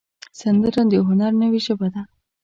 سندره د هنر نوې ژبه ده